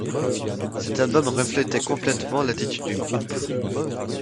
Cet album reflétait complètement l'attitude du groupe.